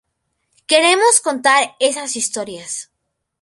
Queremos contar esas historias".